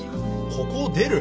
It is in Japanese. ここを出る？